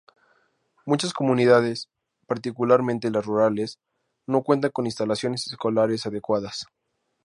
Muchas comunidades, particularmente las rurales, no cuentan con instalaciones escolares adecuadas.